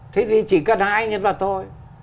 thế thì chỉ cần hai nhân vật thôi